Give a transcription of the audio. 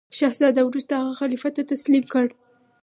شهزاده وروسته هغه خلیفه ته تسلیم کړ.